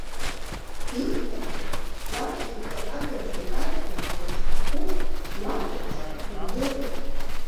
Исҭаху, уаԥхьа икьатагәаӡа икаршәу уеиха хәы уахәаԥшыр иудырып.